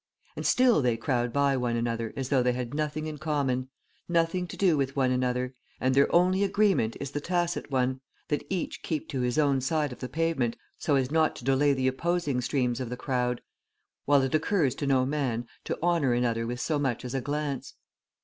And still they crowd by one another as though they had nothing in common, nothing to do with one another, and their only agreement is the tacit one, that each keep to his own side of the pavement, so as not to delay the opposing streams of the crowd, while it occurs to no man to honour another with so much as a glance.